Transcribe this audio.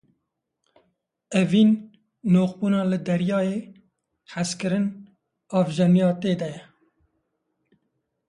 Evîn; noqbûna li deryayê, hezkirin; avjeniya tê de.